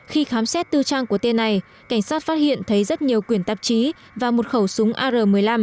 khi khám xét tư trang của tên này cảnh sát phát hiện thấy rất nhiều quyền tạp chí và một khẩu súng ar một mươi năm